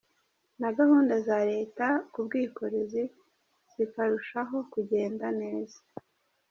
Na gahunda za leta ku bwikorezi zikarushaho kugenda neza.